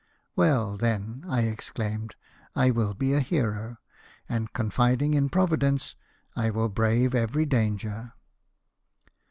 ' Well, then,' I^ exclaimed, ' I will be a hero ! and, confiding in Provi dence, I will brave every danger